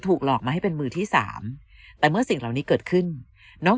หลอกมาให้เป็นมือที่สามแต่เมื่อสิ่งเหล่านี้เกิดขึ้นน้อง